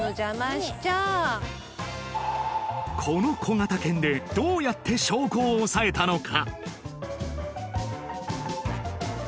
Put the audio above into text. この小型犬でどうやって証拠を押さえたのか？